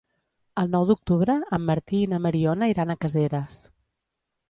El nou d'octubre en Martí i na Mariona iran a Caseres.